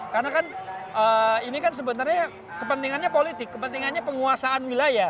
karena kan ini kan sebenarnya kepentingannya politik kepentingannya penguasaan wilayah